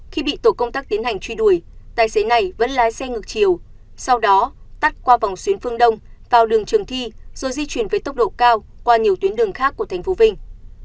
khi bị tổ công tác tiến hành truy đuổi tài xế này vẫn lái xe ngược chiều sau đó tắt qua vòng xuyến phương đông vào đường trường thi rồi di chuyển với tốc độ cao qua nhiều tuyến đường khác của tp vinh